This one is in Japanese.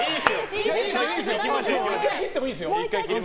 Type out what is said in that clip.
もう１回切ってもいいですよ。